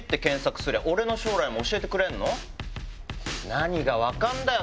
何が分かんだよ